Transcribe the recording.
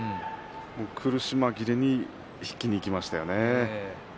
苦し紛れに引きにいきましたね。